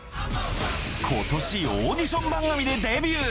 今年オーディション番組でデビュー。